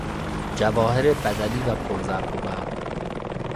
جواهر بدلی و پر زرق و برق